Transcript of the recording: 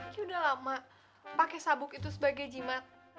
ini udah lama pake sabuk itu sebagai jimat